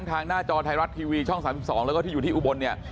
ทางหน้าจอไทยรัฐทีวีช่อง๓๒แล้วก็ที่อยู่ที่อุบลเนี่ย